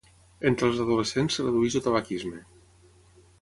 Entre els adolescents es redueix el tabaquisme.